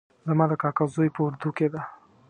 زما د کاکا زوی په اردو کې ده